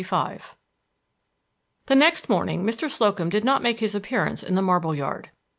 XXV The next morning Mr. Slocum did not make his appearance in the marble yard.